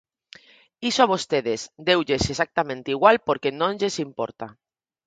Iso a vostedes deulles exactamente igual porque non lles importa.